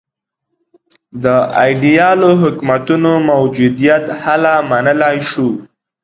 د ایدیالو حکومتونو موجودیت هله منلای شو.